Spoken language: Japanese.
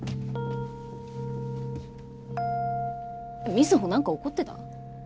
瑞穂なんか怒ってた？